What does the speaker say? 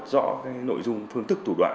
rõ cái nội dung phương thức thủ đoạn